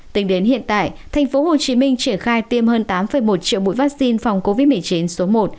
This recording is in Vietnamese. tính đến hiện tại thành phố hồ chí minh triển khai tiêm hơn tám một triệu mũi vaccine phòng covid một mươi chín số một